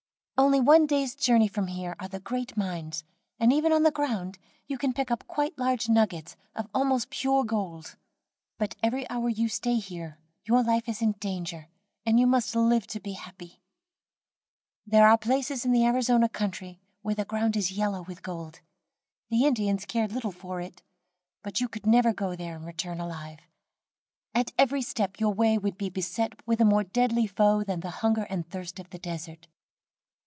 "Only one day's journey from here are the great mines, and even on the ground you can pick up quite large nuggets of almost pure gold; but every hour you stay here your life is in danger, and you must live to be happy. "There are places in the Arizona country where the ground is yellow with gold. The Indians care little for it, but you could never go there and return alive. At every step your way would be beset with a more deadly foe than the hunger and thirst of the desert.